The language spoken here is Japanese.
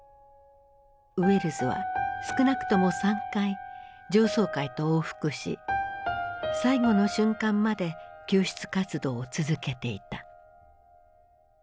ウェルズは少なくとも３回上層階と往復し最後の瞬間まで救出活動を続けていた。